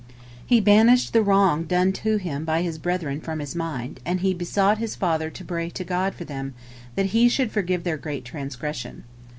He banished the wrong done to him by his brethren from his mind, and he besought his father to pray to God for them, that He should forgive their great transgression.